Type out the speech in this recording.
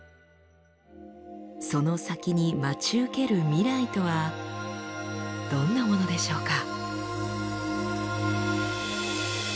その先に待ち受ける未来とはどんなものでしょうか？